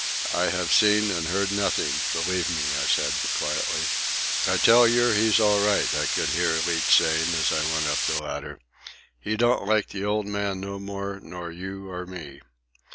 "I have seen and heard nothing, believe me," I said quietly. "I tell yer, he's all right," I could hear Leach saying as I went up the ladder. "He don't like the old man no more nor you or me."